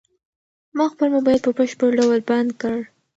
ما خپل موبايل په بشپړ ډول بند کړ.